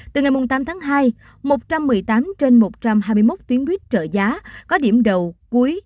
từ ngày tám tháng hai một trăm một mươi tám trên một trăm hai mươi một tuyến buýt trợ giá có điểm đầu cuối